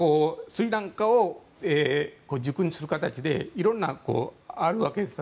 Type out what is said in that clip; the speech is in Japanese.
スリランカを軸にする形で色んなあるわけです。